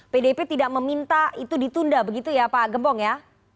pdip tidak meminta itu ditunda begitu ya pak gembong ya